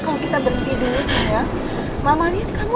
aku rasa kayak kamu suka deh sama mas nino